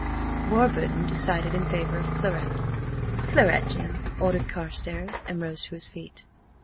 Warburton decided in favour of claret. "Claret, Jim," ordered Carstares, and rose to his feet.